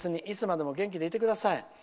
いつまでもお元気でいてください。